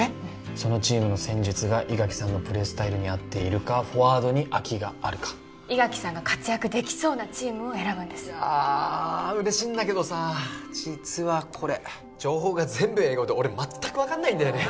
そのチームの戦術が伊垣さんのプレースタイルに合っているかフォワードに空きがあるか伊垣さんが活躍できそうなチームを選ぶんですいや嬉しいんだけどさ実はこれ情報が全部英語で俺全く分かんないんだよね